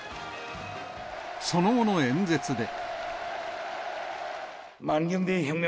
その後の演説で。